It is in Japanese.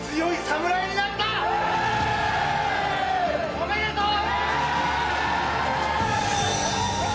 おめでとう！